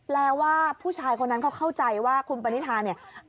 แล้วว่าผู้ชายคนนั้นเขาเข้าใจว่าคุณปณิธาเนี่ย